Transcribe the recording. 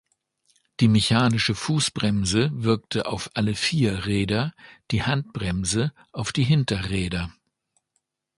Die mechanische Fußbremse wirkte auf alle vier Räder, die Handbremse auf die Hinterräder.